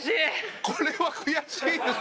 「これは悔しい」